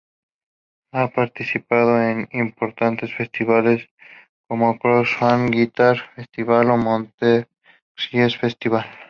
Ha participado en importantes festivales como Crossroads Guitar Festival o Montreux Jazz Festival.